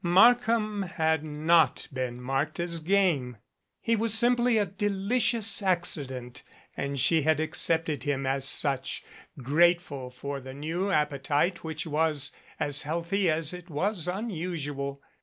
Markham had not been marked as game. He was simply a delicious accident and she had accepted him as such, grateful for the new appetite which was as healthy as it was unusual.